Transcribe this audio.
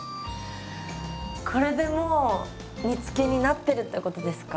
これでもう煮つけになってるってことですか？